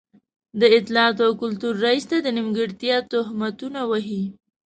د اطلاعاتو او کلتور رئيس ته د نیمګړتيا تهمتونه وهي.